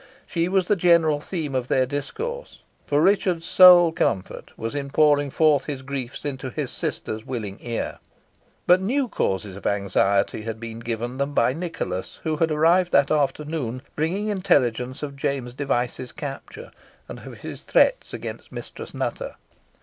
She was the general theme of their discourse, for Richard's sole comfort was in pouring forth his griefs into his sister's willing ear; but new causes of anxiety had been given them by Nicholas, who had arrived that afternoon, bringing intelligence of James Device's capture, and of his threats against Mistress Nutter.